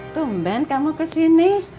tumben kamu kesini